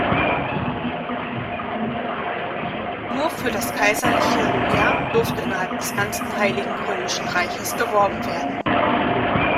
Nur für das kaiserliche Heer durfte innerhalb des ganzen Heiligen Römischen Reiches geworben werden.